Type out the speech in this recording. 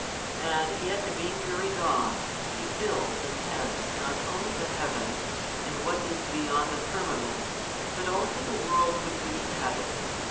And yet being very God, He fills and tends not only the heavens and what is beyond the firmament, but also the world which we inhabit.